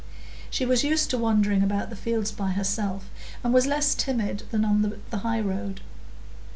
She was used to wandering about the fields by herself, and was less timid there than on the highroad.